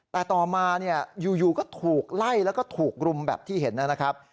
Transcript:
แต่ต่อมาอยู่ก็ถูกไล่แล้วก็ถูกรุมแบบที่เห็นนะครับ